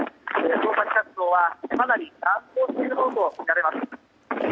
捜索活動は、かなり難航しているものとみられます。